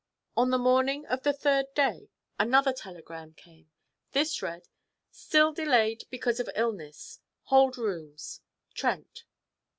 On the morning of the third day another telegram came. This read: 'Still delayed because of illness. Hold rooms. 'TRENT.'